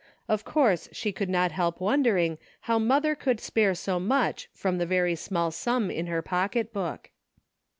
Of course she could not help wondering how mother could spare so much from the very small sum in her pocketbook.